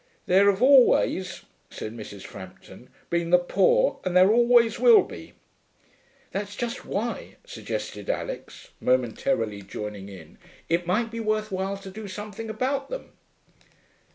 'There have always,' said Mrs. Frampton, 'been the poor, and there always will be.' 'That's just why,' suggested Alix, momentarily joining in, 'it might be worth while to do something about them.'